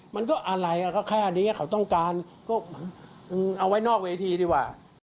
มันก็อะไรก็แค่นี้เขาต้องการก็เอาไว้นอกเวทีดีกว่า